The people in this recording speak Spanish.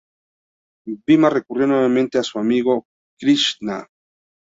Bhima recurrió nuevamente a su amigo Krisná.